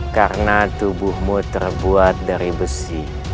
karena tubuhmu terbuat dari besi